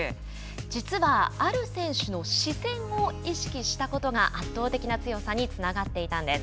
実はある選手の視線を意識したことが圧倒的な強さにつながっていたんです。